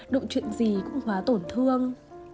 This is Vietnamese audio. đụng chuyện gì cũng quá tổn thương